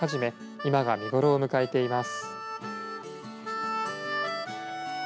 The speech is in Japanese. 今が見頃を迎えています。